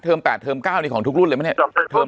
เทอม๘เทอม๙ของทุกรุ่นเลยมั้ยเนี่ย